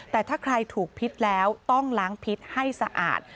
แต่ถ้าใครถูกพิษแล้วต้องล้างพิษให้สะอาด